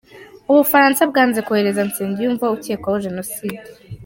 U Bufaransa bwanze kohereza Nsengiyumva ukekwaho Jenoside